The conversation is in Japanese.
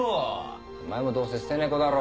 ・お前もどうせ捨て猫だろ？